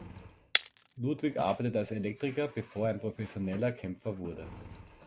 Ludwig arbeitete als Elektriker, bevor er ein professioneller Kämpfer wurde.